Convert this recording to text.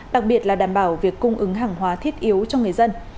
đặc biệt là đảm bảo việc cung ứng hàng hóa thiết yếu cho người dân